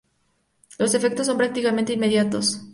Los efectos son prácticamente inmediatos.